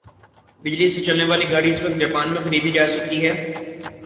بجلی سے چلنے والی گاڑی اس وقت جاپان میں خریدی جاسکتی ھے